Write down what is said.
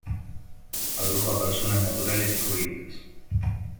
Agrupa a personas naturales y jurídicas.